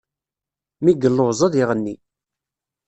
Mi yelluẓ, ad iɣenni.